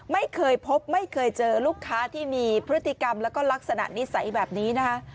ไม่เคยพบไม่เคยเจอลูกค้าที่มีพฤติกรรมแล้วก็ลักษณะนิสัยแบบนี้นะคะ